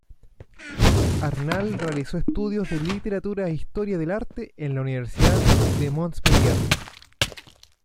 Arnal realizó estudios de literatura e historia del arte en la Universidad de Montpellier.